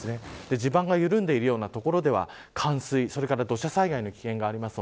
地盤が緩んでいるような所では冠水、それから土砂災害の危険があります。